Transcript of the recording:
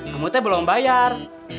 kamu itu belum bayar